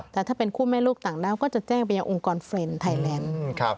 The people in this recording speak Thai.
แต่ถ้าเป็นคู่แม่ลูกต่างด้าวก็จะแจ้งไปยังองค์กรเทรนด์ไทยแลนด์